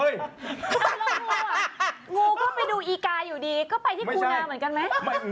งูก็ไปดูอีกาอยู่ดีก็ไปที่คูนาเหมือนกันไหม